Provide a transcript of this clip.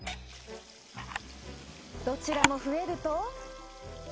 どちらも増えると。